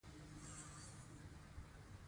ځمکه د افغانستان د طبیعت برخه ده.